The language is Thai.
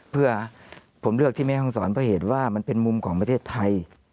เพื่อผมเลือกที่แม่ห้องศรเพราะเหตุว่ามันเป็นมุมของประเทศไทย